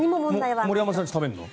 森山さんちは食べるの？